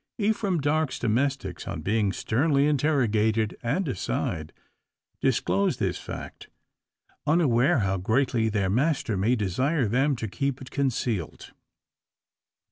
Ephraim Darke's domestics, on being sternly interrogated, and aside, disclose this fact; unaware how greatly their master may desire them to keep it concealed.